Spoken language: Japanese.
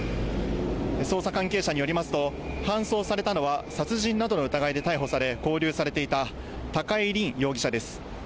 捜査関係者によりますと、搬送されたのは殺人などの疑いで逮捕され、勾留されていた高井凜容疑者です。